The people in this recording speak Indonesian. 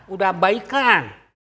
udah ruim kan